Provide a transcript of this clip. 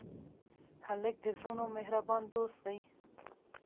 هلک د زړونو مهربان دوست دی.